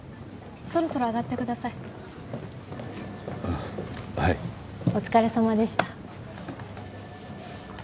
そろそろ上がってくださいあっ